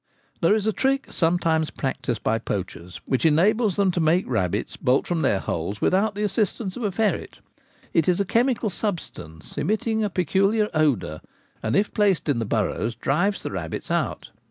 There is a trick sometimes practised by poachers which enables them to make rabbits bolt from their holes without the assistance of a ferret It is a chemical substance emitting a peculiar odour, and, if placed in the burrows, drives the rabbits out.